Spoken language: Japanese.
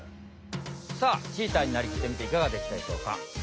さあチーターになりきってみていかがでしたでしょうか？